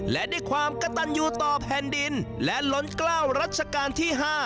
และด้วยความกระตันยูต่อแผ่นดินและล้นกล้าวรัชกาลที่๕